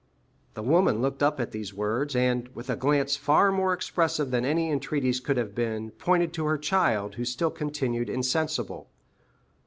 The woman looked up at these words, and, with a glance far more expressive than any entreaties could have been, pointed to her child, who still continued insensible.